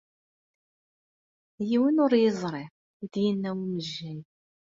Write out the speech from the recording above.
Yiwen ur yeẓri, i d-yenna umejjay.